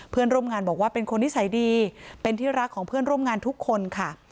เพื่อนร่วมงานบอกว่าเป็นคนนิสัยดีเป็นที่รักของเพื่อนร่วมงานทุกคนค่ะ